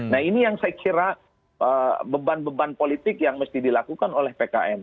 nah ini yang saya kira beban beban politik yang mesti dilakukan oleh pkn